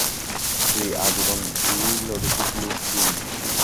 তুই আজীবন-ই লড়াকু ছিলি, ফিন।